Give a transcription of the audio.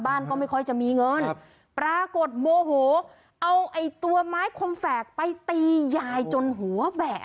บ้านก็ไม่ค่อยจะมีเงินปรากฏโมโหเอาไอ้ตัวไม้คมแฝกไปตียายจนหัวแบะ